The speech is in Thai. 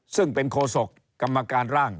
ซึ่งเป็นโคศกกรรมการร่าง